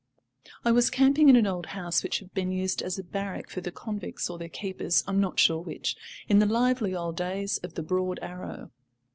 I was camping in an old house which had been used as a barrack for the convicts or their keepers (I'm not sure which) in the lively old days of the broad arrow.